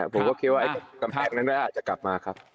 ผมก็คิดว่ากำแพงนั้นอาจจะกลับมาครับ